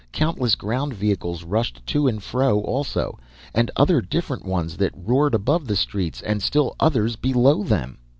Countless ground vehicles rushed to and fro also, and other different ones that roared above the streets and still others below them!